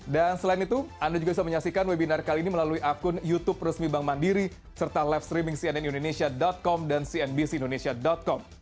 dan selain itu anda juga bisa menyaksikan webinar kali ini melalui akun youtube resmi bank mandiri serta live streaming cnnindonesia com dan cnbcindonesia com